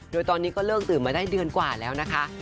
โดยตอนนี้ก็เลิกดื่มมาได้เดือนกว่าแล้วนะคะ